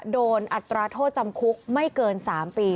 อัตราโทษจำคุกไม่เกิน๓ปี